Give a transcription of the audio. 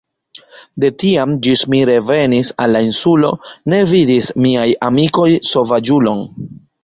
De tiam ĝis mi revenis al la insulo ne vidis miaj amikoj sovaĝulon.